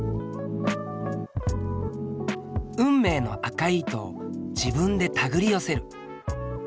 運命の赤い糸を自分でたぐり寄せる。